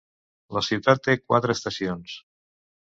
La ciutat té quatre estacions.